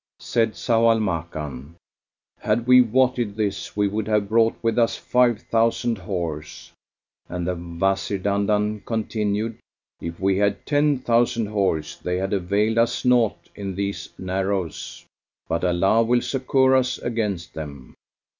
Said Zau al Makan, "Had we wotted this we would have brought with us five thousand horse;" and the Wazir Dandan continued, "If we had ten thousand horse they had availed us naught in these narrows; but Allah will succour us against them.